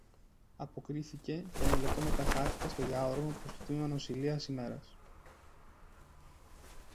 αποκρίθηκε και ένα λεπτό μετά χάθηκε στο διάδρομο προς το τμήμα νοσηλείας ημέρας